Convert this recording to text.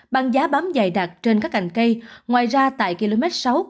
băng giá bám dài đặc trên các cành cây ngoài ra tại km sáu bốn trăm linh